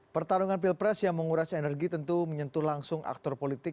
pertarungan pilpres yang menguras energi tentu menyentuh langsung aktor politik